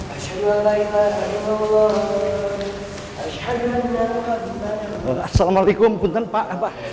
assalamualaikum kuntan pak